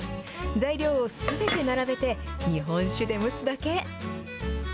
材料をすべて並べて日本酒で蒸すだけ。